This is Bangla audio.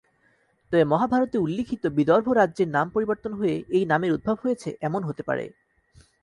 তবে মহাভারতে উল্লিখিত বিদর্ভ রাজ্যের নাম পরিবর্তিত হয়ে এই নামের উদ্ভব হয়েছে এমন হতে পারে।